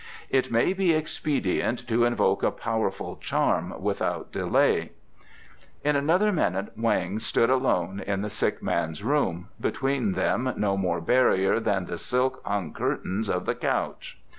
It may be expedient to invoke a powerful charm without delay." In another minute Weng stood alone in the sick man's room, between them no more barrier than the silk hung curtains of the couch.